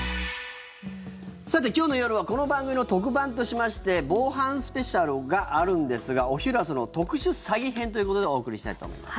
さて、今日の夜はこの番組の特番としまして防犯スペシャルがあるんですがお昼は特殊詐欺編ということでお送りしたいと思います。